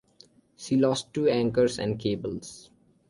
She lost two anchors and cables.